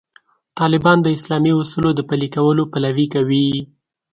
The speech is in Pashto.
طالبان د اسلامي اصولو د پلي کولو پلوي کوي.